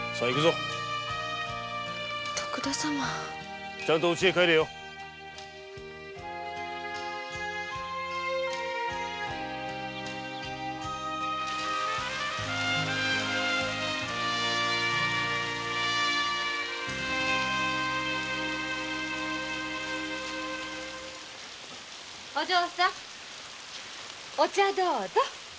お嬢さんお茶どうぞ。